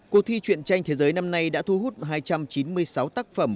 cuộc thi chuyện tranh thế giới năm nay đã thu hút hai trăm chín mươi sáu tác phẩm